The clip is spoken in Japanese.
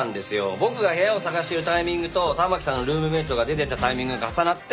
僕が部屋を探してるタイミングと環さんのルームメートが出てったタイミングが重なって。